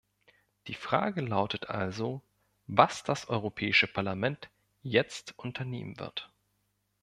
Die Frage lautet also, was das Europäische Parlament jetzt unternehmen wird.